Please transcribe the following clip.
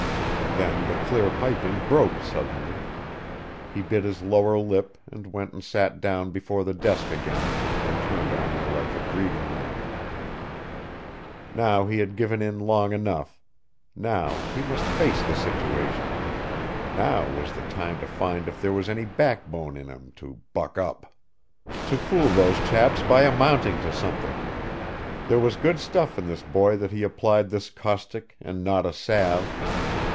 Then the clear piping broke suddenly. He bit his lower lip and went and sat down before the desk again and turned on the electric reading lamp. Now he had given in long enough; now he must face the situation; now was the time to find if there was any backbone in him to "buck up." To fool those chaps by amounting to something. There was good stuff in this boy that he applied this caustic and not a salve.